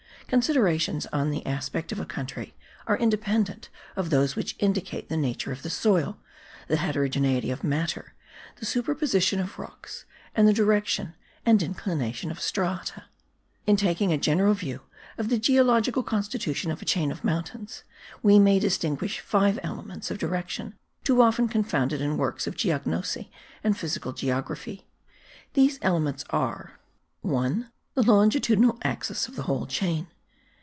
Considerations on the aspect of a country are independent of those which indicate the nature of the soil, the heterogeneity of matter, the superposition of rocks and the direction and inclination of strata. In taking a general view of the geological constitution of a chain of mountains, we may distinguish five elements of direction too often confounded in works of geognosy and physical geography. These elements are: 1. The longitudinal axis of the whole chain.